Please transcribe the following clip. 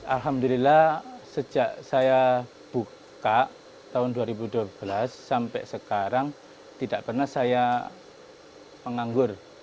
alhamdulillah sejak saya buka tahun dua ribu dua belas sampai sekarang tidak pernah saya menganggur